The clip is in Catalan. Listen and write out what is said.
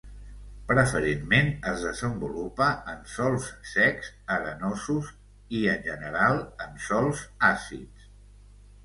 Preferentment es desenvolupa en sòls secs, arenosos i en general en sòls àcids.